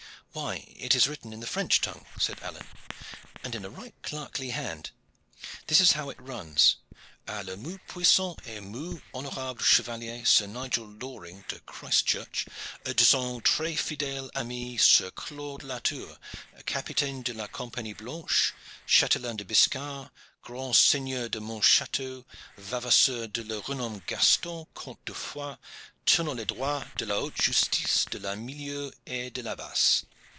"Why, it is written in the French tongue," said Alleyne, "and in a right clerkly hand. This is how it runs: 'A le moult puissant et moult honorable chevalier, Sir Nigel Loring de Christchurch, de son tres fidele ami Sir Claude Latour, capitaine de la Compagnie blanche, chatelain de Biscar, grand seigneur de Montchateau, vavaseur de le renomme Gaston, Comte de Foix, tenant les droits de la haute justice, de la milieu, et de la basse.'